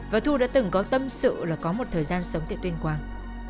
và thu đã từng có tâm sự là có một thời gian sống tại tuyên quang